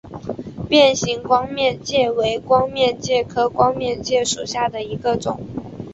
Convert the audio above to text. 变形光面介为光面介科光面介属下的一个种。